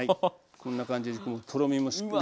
こんな感じにとろみもしっかり。